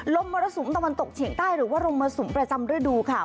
มรสุมตะวันตกเฉียงใต้หรือว่าลมมรสุมประจำฤดูค่ะ